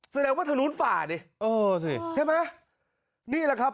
แสดงว่าทะลุฝ่าดิเออสิใช่ไหมนี่แหละครับ